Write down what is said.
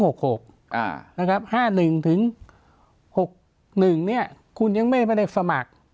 นะครับ๕๑๖๑เนี้ยคุณยังไม่ได้สมัคร